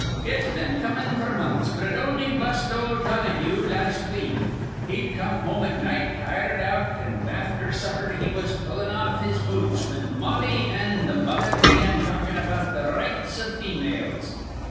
"It's been comin f'r months, but it on'y bust oh Donahue las' week. He'd come home at night tired out, an' afther supper he was pullin' off his boots, whin Mollie an' th' mother begun talkin' about th' rights iv females.